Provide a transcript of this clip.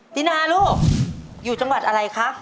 ตินาลูกอยู่จังหวัดอะไรคะ